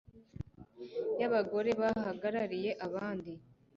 y Abagore bahagarariye abandi